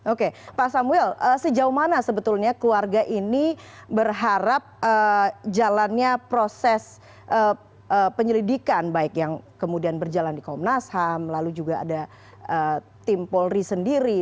oke pak samuel sejauh mana sebetulnya keluarga ini berharap jalannya proses penyelidikan baik yang kemudian berjalan di komnas ham lalu juga ada tim polri sendiri